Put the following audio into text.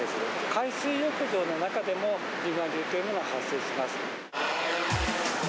海水浴場の中でも、離岸流というのは発生します。